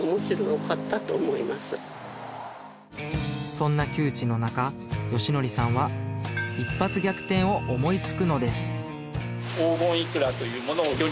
そんな窮地の中美紀さんは一発逆転を思いつくのです何ですか？